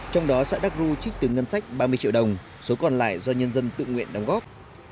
trong đó xã đắc ru trích từ ngân sách ba mươi triệu đồng số còn lại do nhân dân tự nguyện đóng góp